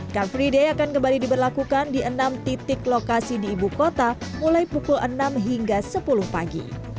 car free day akan kembali diberlakukan di enam titik lokasi di ibu kota mulai pukul enam hingga sepuluh pagi